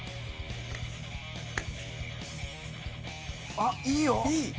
あ、いいよ！